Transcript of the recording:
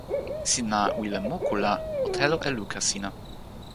sina wile moku la o telo e luka sina.